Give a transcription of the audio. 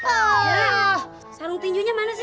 ah sarung tinjunya mana sih